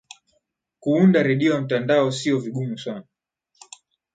kuunda redio ya mtandao siyo vigumu sana